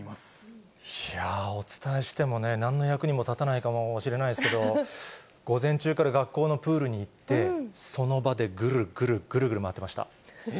いやー、お伝えしてもね、なんの役にも立たないかもしれないですけど、午前中から学校のプールに行って、その場でぐるぐるぐるぐる回ってえ？